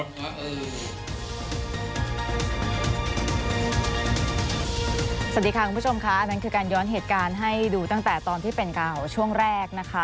สวัสดีค่ะคุณผู้ชมค่ะอันนั้นคือการย้อนเหตุการณ์ให้ดูตั้งแต่ตอนที่เป็นข่าวช่วงแรกนะคะ